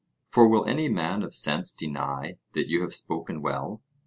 For will any man of sense deny that you have spoken well?